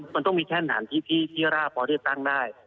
มันต้องมีแท่นฐานที่ราบพอที่จะตั้งได้